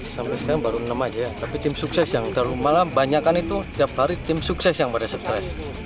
sampai sekarang baru enam aja ya tapi tim sukses yang baru malam banyakan itu tiap hari tim sukses yang pada stres